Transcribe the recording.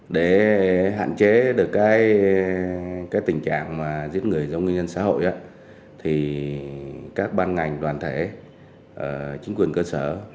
để hạn chế được cái tình trạng mà giết người do nguyên nhân xã hội thì các ban ngành đoàn thể chính quyền cơ sở